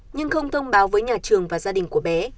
nhưng không thông báo với nhà trường và gia đình của bé